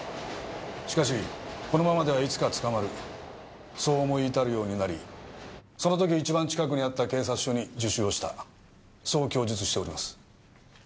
しかしこのままではいつか捕まるそう思い至るようになりその時一番近くにあった警察署に自首をしたそう供述しております。